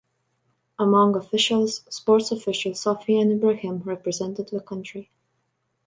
Among officials, sports official Sofian Ibrahim represented the country.